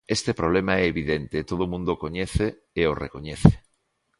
Este problema é evidente e todo o mundo o coñece e o recoñece.